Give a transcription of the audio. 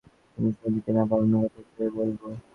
কিন্তু শক্তিকে না পাঠানোর কথা কীভাবে বলব?